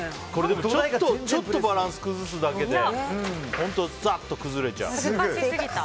ちょっとバランスを崩すだけでざっと崩れちゃう。